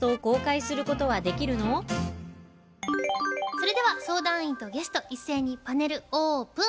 それでは相談員とゲスト一斉にパネルオープン。